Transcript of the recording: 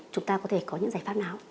chúng ta có thể có những giải pháp nào